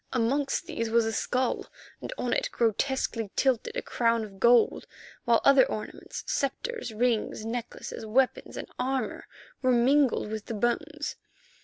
Amongst these was a skull, and on it, grotesquely tilted, a crown of gold, while other ornaments—sceptres, rings, necklaces, weapons and armour—were mingled with the bones.